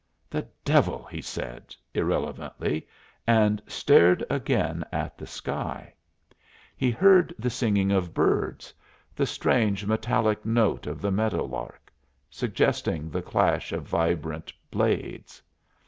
"The devil!" he said, irrelevantly, and stared again at the sky. He heard the singing of birds, the strange metallic note of the meadow lark, suggesting the clash of vibrant blades.